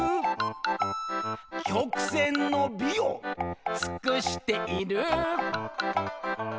「曲線の美を尽している」